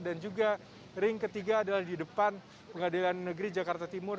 dan juga ring ketiga adalah di depan pengadilan negeri jakarta timur